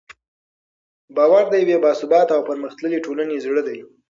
باور د یوې باثباته او پرمختللې ټولنې زړه دی.